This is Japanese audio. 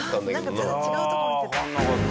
全然違うところ見てた。